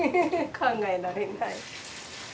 考えられない。